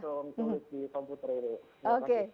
langsung tulis di komputer ini